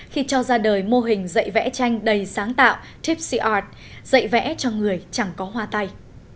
khi cho ra đời mô hình dạy vẽ tranh đầy sáng tạo chip seart dạy vẽ cho người chẳng có hoa tay